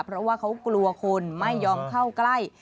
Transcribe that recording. เพราะว่าเขากลัวคนไม่ยอมเข้าใกล้